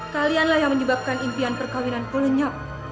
kalianlah yang menyebabkan impian perkahwinan ku lenyap